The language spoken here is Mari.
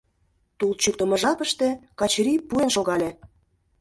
Тул чӱктымӧ жапыште Качырий пурен шогале.